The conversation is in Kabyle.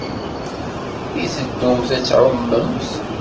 I teddumt ad tɛumemt?